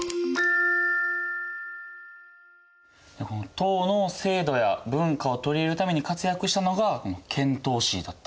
唐の制度や文化を取り入れるために活躍したのが遣唐使だったんですね。